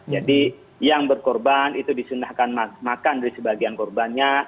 jadi yang berkorban itu disunahkan makan dari sebagian korbannya